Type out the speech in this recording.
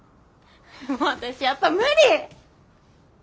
もう私やっぱ無理！